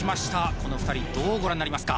この２人どうご覧になりますか？